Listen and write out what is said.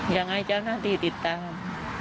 อย่างไรเจ้าหน้าตีติดตาม